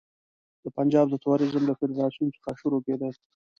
د پنجاب د توریزم له فدراسیون څخه شروع کېدو.